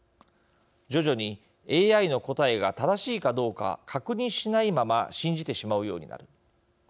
徐々に、ＡＩの答えが正しいかどうか確認しないまま信じてしまうようになる。